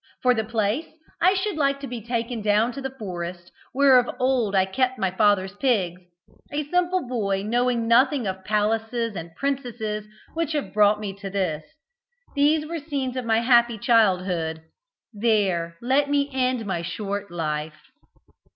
For the place, I should like to be taken down to the forest, where of old I kept my father's pigs, a simple boy knowing nothing of palaces and princesses, which have brought me to this. These were the scenes of my happy childhood. There let me end my short life."